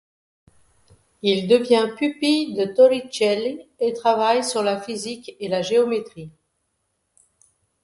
Il devient pupille de Torricelli et travaille sur la physique et la géométrie.